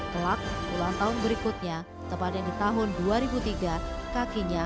telak ulang tahun berikutnya kepadanya tahun dua ribu tiga kakinya